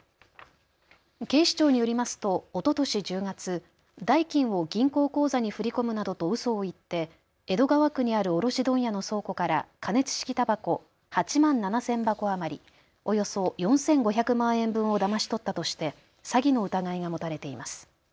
警視庁によりますとおととし１０月、代金を銀行口座に振り込むなどとうそを言って江戸川区にある卸問屋の倉庫から加熱式たばこ８万７０００箱余りおよそ４５００万円分をだまし取ったとして詐欺の疑いが持たれています。